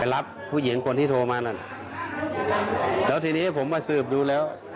แล้วทีนี้ผมมาสืบดูแล้ว